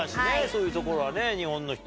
そういうところはね日本の人は。